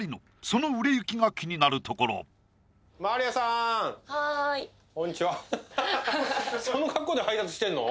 その売れ行きが気になるところマリアさんこんにちは